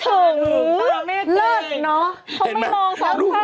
เขาไปมองสองภาพเลย